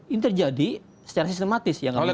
ini terjadi secara sistematis yang kami bilang